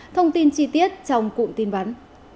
thông tin chi tiết trong cụm tin vắn